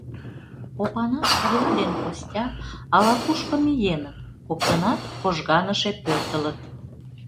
Опанас Кырля ден Костя ала-кушко миеныт, коктынат кожганыше пӧртылыт.